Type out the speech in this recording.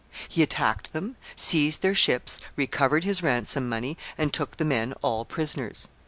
He attacked them, seized their ships, recovered his ransom money, and took the men all prisoners.